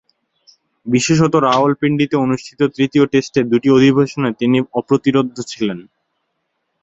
বিশেষতঃ রাওয়ালপিন্ডিতে অনুষ্ঠিত তৃতীয় টেস্টে দুইটি অধিবেশনে তিনি অপ্রতিরোধ্য ছিলেন।